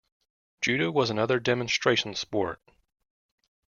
Judo was another demonstration sport.